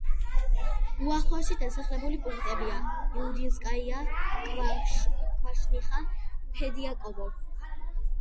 უახლოესი დასახლებული პუნქტებია: იუდინსკაია, კვაშნიხა, ფედიაკოვო.